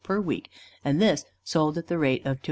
per week, and this, sold at the rate of 2½_d.